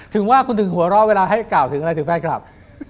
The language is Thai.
ถึงว่าคุณถึงหัวเราะเวลาให้กล่าวถึงอะไรถึงแฟนคลับ